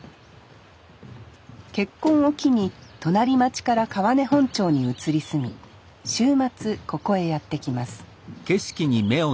結婚を機に隣町から川根本町に移り住み週末ここへやって来ます